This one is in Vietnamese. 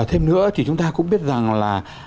thêm nữa thì chúng ta cũng biết rằng là